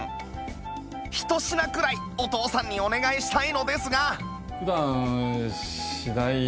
ひと品くらいお父さんにお願いしたいのですが